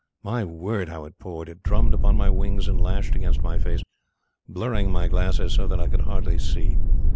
My word, how it poured! It drummed upon my wings and lashed against my face, blurring my glasses so that I could hardly see.